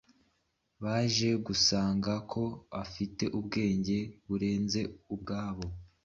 baje gusanga ko afite ubwenge burenze ubwabo.